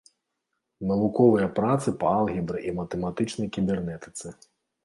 Навуковыя працы па алгебры і матэматычнай кібернетыцы.